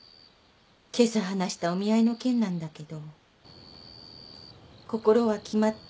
今朝話したお見合いの件なんだけど心は決まった？